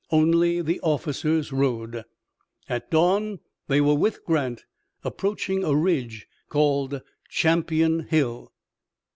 Only the officers rode. At dawn they were with Grant approaching a ridge called Champion Hill.